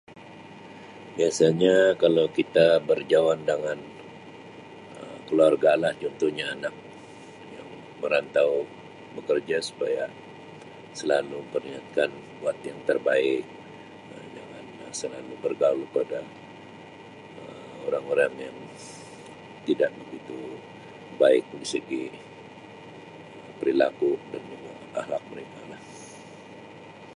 biasanya kalau kita berjauhan dengan Um keluarga lah contohnya anak yang merantau bekerja supaya selalu peringatkan buat yang terbaik Um jangan Um selalu bergaul pada[Um] orang-orang yang tidak begitu baik dari segi perilaku dan juga akhlak mereka lah.